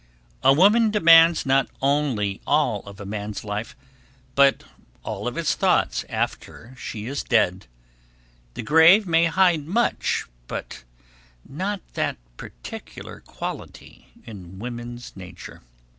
A woman demands not only all of a man's life, but all of his thoughts after she is dead. The grave may hide much, but not that particular quality in woman's nature.